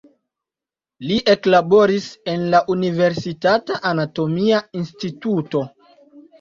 Li eklaboris en la universitata anatomia instituto.